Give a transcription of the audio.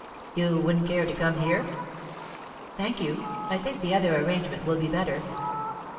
"You wouldn't care to come here?" "Thank you; I think the other arrangement will be better."